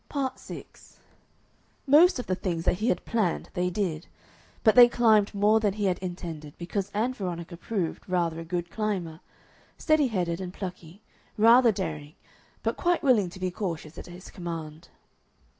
Part 6 Most of the things that he had planned they did. But they climbed more than he had intended because Ann Veronica proved rather a good climber, steady headed and plucky, rather daring, but quite willing to be cautious at his command.